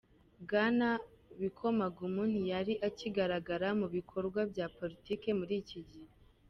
Bwana Bikomagu ntiyari akigaragara mu bikorwa bya politike muri iki gihe.